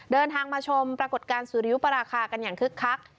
เดินทางมาชมปรากฏการณ์สุริยุปราคากันอย่างคึกคัก